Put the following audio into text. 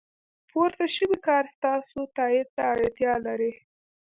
پورته شوی کار ستاسو تایید ته اړتیا لري.